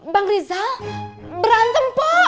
bang rizal berantem pok